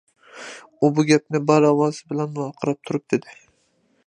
ئۇ بۇ گەپنى بار ئاۋازى بىلەن ۋارقىراپ تۇرۇپ دېدى.